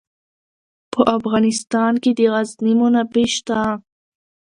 په افغانستان کې د غزني منابع شته.